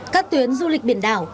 các tuyến du lịch biển đảo